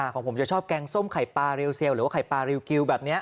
ของผมจะชอบแกงส้มไข่ปลาเรียวเซลหรือว่าไข่ปลาริวกิวแบบนี้